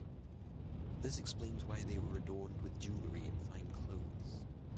This explains why they were adorned with jewelry and fine clothes.